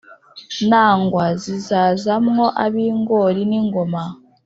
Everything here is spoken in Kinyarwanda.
nangwa zizaza mwo ab’ingori n’ingoma,